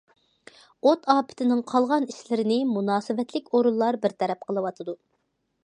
ئوت ئاپىتىنىڭ قالغان ئىشلىرىنى مۇناسىۋەتلىك ئورۇنلار بىر تەرەپ قىلىۋاتىدۇ.